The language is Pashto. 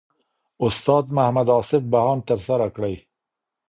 استاد محمد اصف بهاند ترسره کړی.